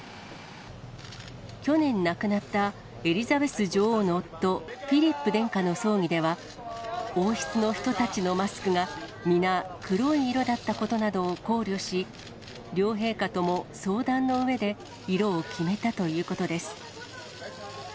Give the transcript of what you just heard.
去年亡くなったエリザベス女王の夫、フィリップ殿下の葬儀では、王室の人たちのマスクが皆、黒い色だったことなどを考慮し、両陛下とも相談のうえで、色を決めたということです。